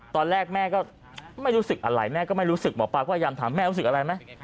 ตอนแรกแม่ก็ไม่รู้สึกอะไรแม่ก็ไม่รู้สึกหมอปลาก็พยายามถามแม่รู้สึกอะไรไหม